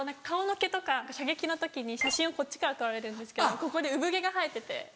顔の毛とか射撃の時に写真をこっちから撮られるんですけどここに産毛が生えてて。